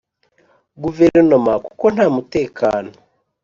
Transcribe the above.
Guverinoma kuko nta mutekano